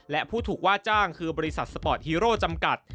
และผู้ถูกว่าจ้างคือบริษัทสปอร์ตฮีโร่จำกัด